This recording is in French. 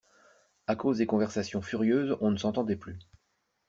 A cause des conversations furieuses, on ne s'entendait plus.